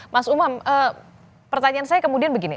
mas umam pertanyaan saya kemudian begini